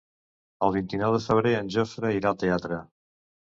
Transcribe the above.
El vint-i-nou de febrer en Jofre irà al teatre.